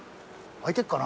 開いてっかな？